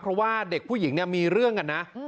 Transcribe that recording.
เพราะว่าเด็กผู้หญิงเนี่ยมีเรื่องกันนะ